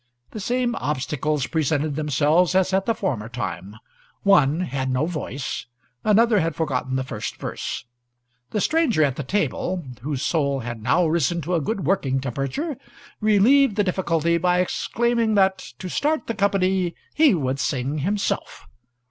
The same obstacles presented themselves as at the former time: one had no voice, another had forgotten the first verse. The stranger at the table, whose soul had now risen to a good working temperature, relieved the difficulty by exclaiming that, to start the company, he would sing himself.